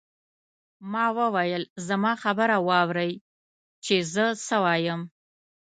ما وویل زما خبره واورئ چې زه څه وایم.